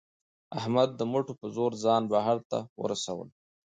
احمد د مټو په زور ځان بهر ته ورسولو.